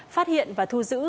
phát hiện và thu giữ